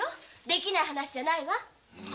できない話じゃないわ。